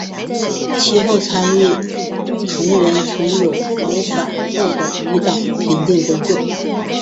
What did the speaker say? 其后参与藤原纯友谋反后的余党平定工作。